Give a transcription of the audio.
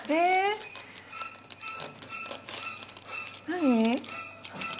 何？